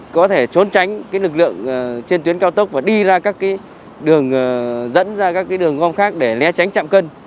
có thể trốn tránh lực lượng trên tuyến cao tốc và đi ra các đường dẫn ra các đường gom khác để lé tránh chạm cân